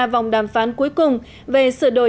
vòng đàm phán cuối cùng về sửa đổi